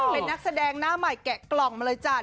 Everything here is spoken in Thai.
เป็นนักแสดงหน้าใหม่แกะกล่องมาเลยจ้ะ